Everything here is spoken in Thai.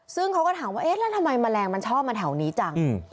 ซึ่งเขาก็ถามว่าเอ๊ะแล้วทำไมแมลงมันชอบมาแถวนี้จัง